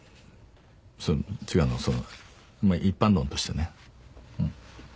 その違うのそのまぁ一般論としてねうん。